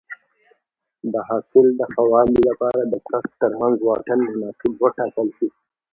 د حاصل د ښه والي لپاره د کښت ترمنځ واټن مناسب وټاکل شي.